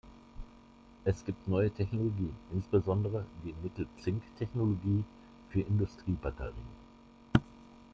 Es gibt neue Technologien, insbesondere die Nickel-Zink-Technologie für Industriebatterien.